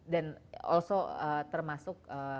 dan juga termasuk